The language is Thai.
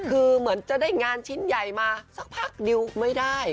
คือเหมือนจะได้งานชิ้นใหญ่มาสักพักเดียวไม่ได้